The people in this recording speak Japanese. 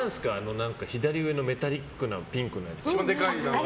左上のメタリックなピンクの何ですか？